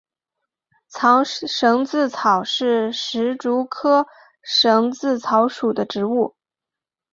藏蝇子草是石竹科蝇子草属的植物。